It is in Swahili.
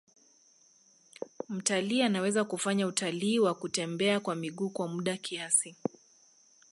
Mtalii anaweza kufanya utalii wa kutembea kwa miguu kwa muda kiasi